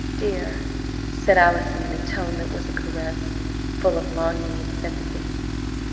"Dear!" said Allison in a tone that was a caress, full of longing and sympathy.